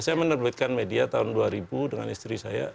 saya menerbitkan media tahun dua ribu dengan istri saya